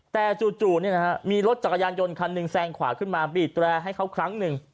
แต่จู่มีรถจักรยานยนต์คันหนึ่งแซงขวาขึ้นมาบีดแรร์ให้เขาครั้งหนึ่ง